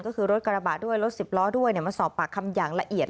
ก็คือรถกระบะด้วยรถสิบล้อด้วยมาสอบปากคำอย่างละเอียด